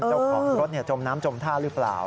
เจ้าของรถจมน้ำจมท่าหรือเปล่า